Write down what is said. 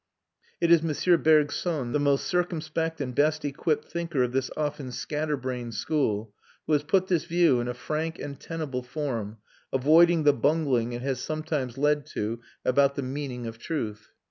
It is M. Bergson, the most circumspect and best equipped thinker of this often scatter brained school, who has put this view in a frank and tenable form, avoiding the bungling it has sometimes led to about the "meaning of truth."